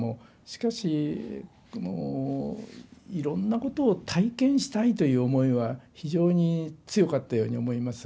しかしいろんなことを体験したいという思いは非常に強かったように思います。